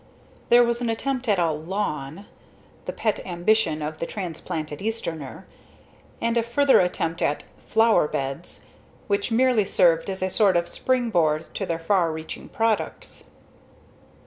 There was an attempt at a "lawn," the pet ambition of the transplanted easterner; and a further attempt at "flower beds," which merely served as a sort of springboard to their far reaching products.